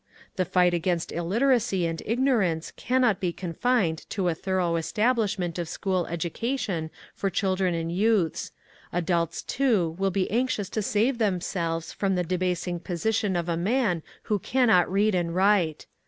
The fight against illiteracy and ignorance cannot be confined to a thorough establishment of school education for children and youths. Adults, too, will be anxious to save themselves from the debasing position of a man who cannot read and write.